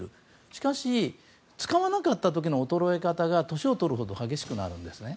しかし、使わなかった時の衰え方が年を取るほど激しくなるんです。